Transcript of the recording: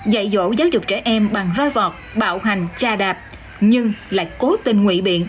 dạy dỗ giáo dục trẻ em bằng roi vọt bạo hành cha đạp nhưng lại cố tình nguyện biện